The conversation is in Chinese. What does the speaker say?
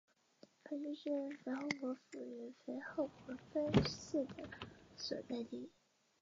山棕为棕榈科桄榔属下的一个种。